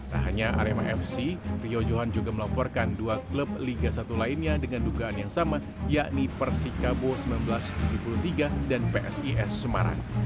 tak hanya arema fc rio johan juga melaporkan dua klub liga satu lainnya dengan dugaan yang sama yakni persikabo seribu sembilan ratus tujuh puluh tiga dan psis semarang